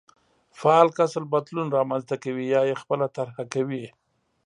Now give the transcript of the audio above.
فعال کس بدلون رامنځته کوي يا يې خپله طرحه کوي.